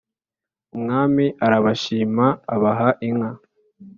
umwami arabashima abaha inka.